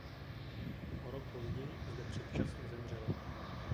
O rok později zde předčasně zemřel.